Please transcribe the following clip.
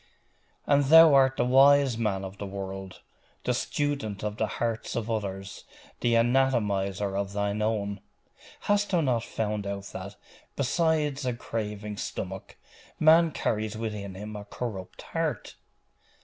'And thou art the wise man of the world the student of the hearts of others the anatomiser of thine own? Hast thou not found out that, besides a craving stomach, man carries with him a corrupt heart?